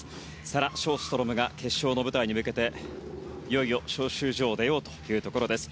サラ・ショーストロムが決勝の舞台に向けていよいよ招集所を出ようというところです。